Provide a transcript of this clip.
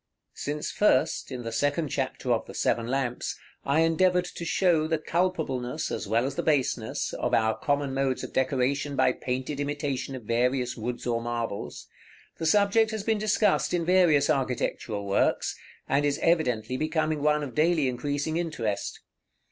§ XL. Since first, in the second chapter of the "Seven Lamps," I endeavored to show the culpableness, as well as the baseness, of our common modes of decoration by painted imitation of various woods or marbles, the subject has been discussed in various architectural works, and is evidently becoming one of daily increasing interest.